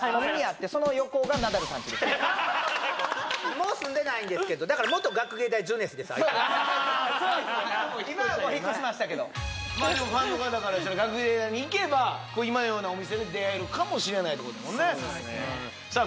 もう住んでないんですけどだから今はもう引っ越しましたけどでもファンの方からしたら学芸大に行けば今のようなお店で出会えるかもしれないってことだもんねさあ